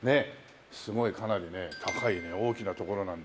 すごいかなり高い大きな所なんですけど。